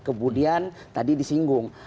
kemudian tadi disinggung